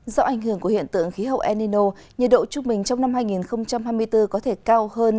do ảnh hưởng của hiện tượng khí hậu enino nhiệt độ trung bình trong năm hai nghìn hai mươi bốn có thể cao hơn